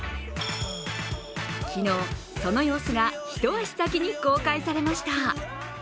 昨日、その様子が一足先に公開されました。